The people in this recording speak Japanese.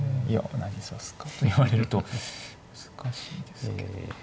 何指すかと言われると難しいですけれど。